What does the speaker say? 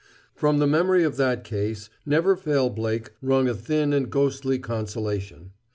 From the memory of that case Never Fail Blake wrung a thin and ghostly consolation.